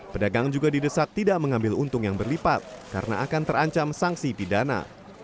pedagang juga didesak tidak mengambil untung yang berlipat karena akan terancam sanksi pidana